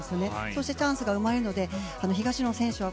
そしてチャンスが生まれるので東野選手は